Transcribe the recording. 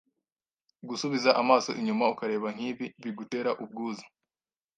gusubiza amaso inyuma ukareba nk’ibi bigutera ubwuzu